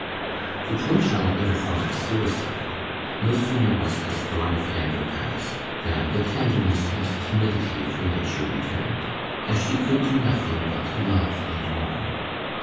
The poor child never thought of suicide. No sooner was the storm of anger passed than the tenderness and timidity of her nature returned, and she could do nothing but love and mourn.